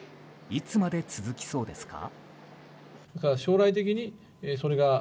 いつまで続きそうですか？